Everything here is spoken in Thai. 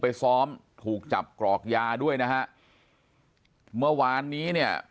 ปากกับภาคภูมิ